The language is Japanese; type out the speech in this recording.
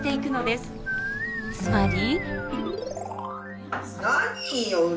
つまり。